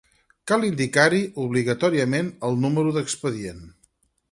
Cal indicar-hi obligatòriament el número d'expedient.